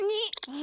え